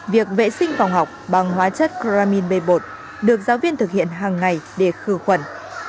việc vệ sinh phòng học bằng hóa chất cramin bê bột được giáo viên thực hiện hằng ngày để khử khuẩn